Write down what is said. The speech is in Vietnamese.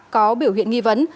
có biểu hiện nghi vấn